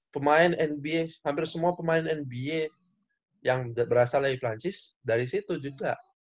pemain nba hampir semua pemain nba yang berasal dari perancis dari situ juga